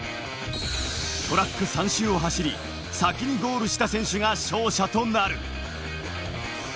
トラック３周を走り、先にゴールした選手が勝者となる。